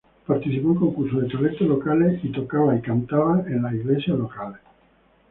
Participó en concursos de talentos locales, y tocó en cantaban en las iglesias locales.